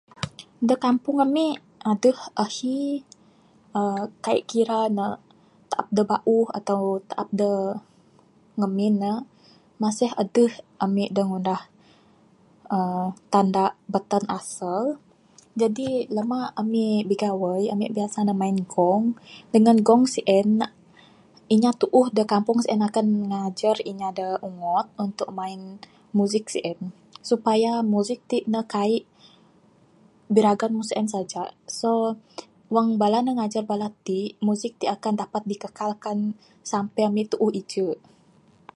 Da kampung ami aduh ahi, uhh kai kira ne taap da bauh atau taap da ngamin ne. Masih aduh ami da ngundah uhh tanda'k batan asal. Jadi lama'k ami'k bigawai, ami'k biasa ne main gong, dengan gong sien, inya tuuh da kampung sien akan ngajar inya da ungo'd untuk main musik sien supaya musik ti', ne kai'k biragan mun sien saja. So, wang bala ne ngajar bala ti, musik ti' dapat dikekalkan sampei ami tuuh iju'.